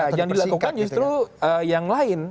nah yang dilakukan justru yang lain